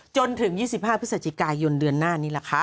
จนถึง๒๕พฤศจิกายนเดือนหน้านี้ล่ะค่ะ